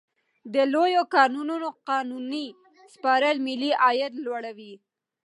د لویو کانونو قانوني سپارل ملي عاید لوړوي.